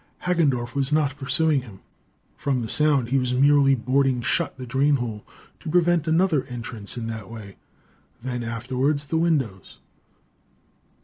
Hagendorff was not pursuing him. From the sound, he was merely boarding shut the drain hole, to prevent another entrance in that way; then, afterwards, the windows.